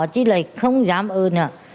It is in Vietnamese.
chứ lại không dám ơn